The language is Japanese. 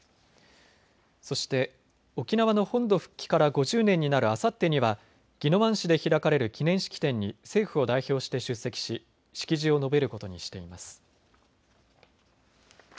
そして沖縄の本土復帰から５０年になるあさってには宜野湾市で開かれる記念式典に政府を代表して出席し式辞を述べることにしています。